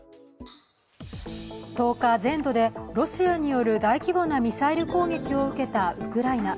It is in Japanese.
１０日、全土でロシアによる大規模なミサイル攻撃を受けたウクライナ。